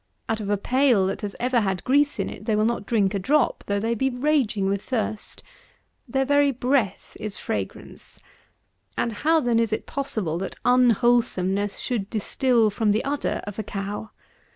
Out of a pail that has ever had grease in it, they will not drink a drop, though they be raging with thirst. Their very breath is fragrance. And how, then, is it possible, that unwholesomeness should distil from the udder of a cow?